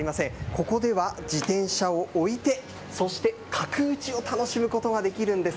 ここでは自転車を置いて、そして角打ちを楽しむことができるんです。